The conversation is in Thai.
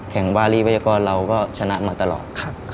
แข่งวาลีวัยกรเราก็ชนะมาตลอด